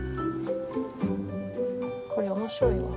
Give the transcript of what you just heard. これ面白いわ。